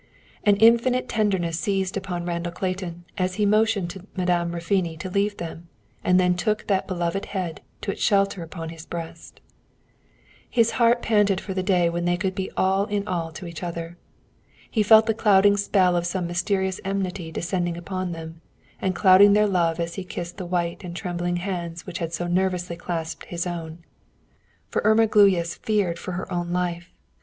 An infinite tenderness seized upon Randall Clayton as he motioned to Madame Raffoni to leave them, and then took that beloved head to its shelter upon his breast. His heart panted for the day when they could be all in all to each other. He felt the clouding spell of some mysterious enmity descending upon them, and clouding their love as he kissed the white and trembling hands which had so nervously clasped his own. For Irma Gluyas feared for her own life.